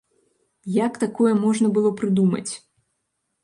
Як такое можна было прыдумаць?